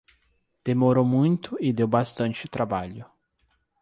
Demorou muito e deu bastante trabalho.